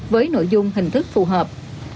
với nội dung hình thức phù hợp